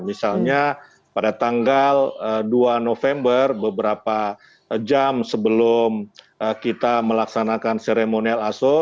misalnya pada tanggal dua november beberapa jam sebelum kita melaksanakan seremonial aso